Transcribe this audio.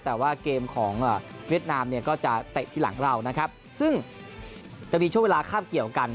แต่ว่าเกมของเวียดนามเนี่ยก็จะเตะที่หลังเรานะครับซึ่งจะมีช่วงเวลาข้ามเกี่ยวกัน